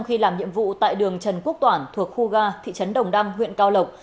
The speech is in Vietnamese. khi làm nhiệm vụ tại đường trần quốc toản thuộc khu ga thị trấn đồng đăng huyện cao lộc